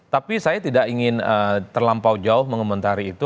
tapi saya tidak ingin terlampau jauh mengomentari itu